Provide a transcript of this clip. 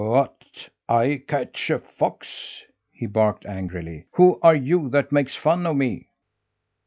"What, I catch a fox?" he barked angrily. "Who are you that makes fun of me?